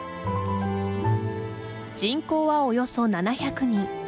人口はおよそ７００人。